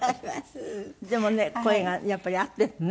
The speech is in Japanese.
でもね声がやっぱり合ってるね。